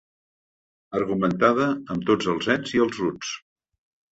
Argumentada amb tots els ets i els uts.